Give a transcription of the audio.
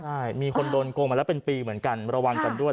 ใช่มีคนโดนโกงมาแล้วเป็นปีเหมือนกันระวังกันด้วย